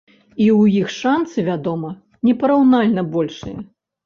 І ў іх шанцы, вядома, непараўнальна большыя.